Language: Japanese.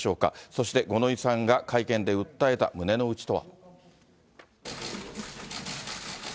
そして、五ノ井さんが会見で訴えた胸の内とは。